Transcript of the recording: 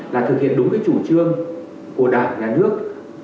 là thực hiện đúng cái chủ trương của đảng nhà nước